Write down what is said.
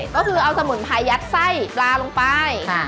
ก็คือเอาสมุนไพรยัดไส้ปลาลงไป